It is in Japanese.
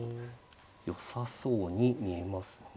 よさそうに見えますね。